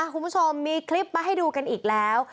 คุณผู้ชมมีคลิปมาให้ดูกันอีกแล้ว